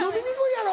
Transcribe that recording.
やろ